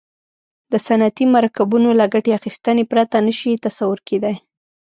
د صنعتي مرکبونو له ګټې اخیستنې پرته نه شي تصور کیدای.